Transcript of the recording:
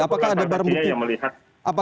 apakah ada barang bukti lainnya begitu pak